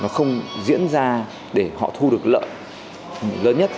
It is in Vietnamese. nó không diễn ra để họ thu được lợi lớn nhất